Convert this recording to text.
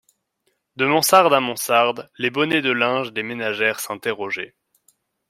De mansarde à mansarde, les bonnets de linge des ménagères s'interrogeaient.